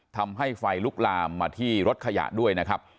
ทำให้ไฟลุกลามมาที่รถขยะด้วยนะครับ